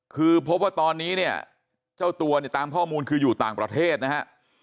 คือพบว่าตอนนี้เนี่ยเจ้าตัวเนี่ยตามข้อมูลคืออยู่ต่างประเทศนะฮะ